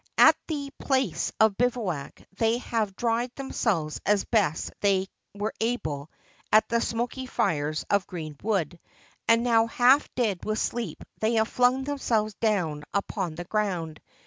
At the place of bivouac they have dried themselves as best they were able at the smoky lires of green wood, and now, half dead with sleep, they have flung themselves down upon the ground.